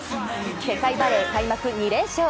世界バレー開幕２連勝。